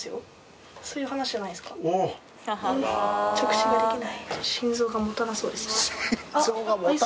そういう話じゃないですか。